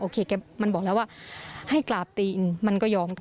เคมันบอกแล้วว่าให้กราบตีนมันก็ยอม